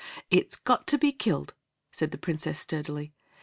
"It's got to be killed," said the Princess sturdily.